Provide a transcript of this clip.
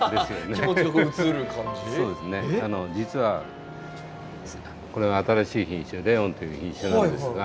実はこれは新しい品種「レオン」という品種なんですが。